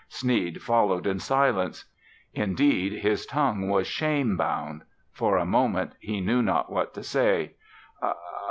Sneed followed in silence. Indeed, his tongue was shame bound. For a moment, he knew not what to say.